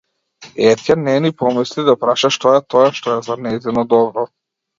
Етја не ни помисли да праша што е тоа што е за нејзино добро.